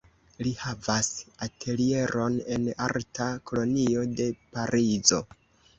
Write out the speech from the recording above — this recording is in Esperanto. Li havas atelieron en arta kolonio de Parizo.